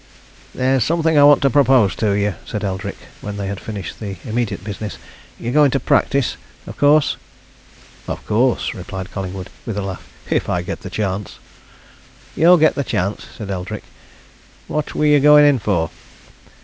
"There's something I want to propose to you," said Eldrick, when they had finished the immediate business. "You're going to practise, of course?" "Of course!" replied Collingwood, with a laugh. "If I get the chance!" "You'll get the chance," said Eldrick. "What were you going in for?"